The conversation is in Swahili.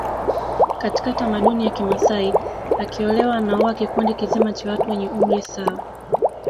Katika tamaduni ya Kimasai akiolewa anaoa kikundi kizima cha watu wenye umri sawa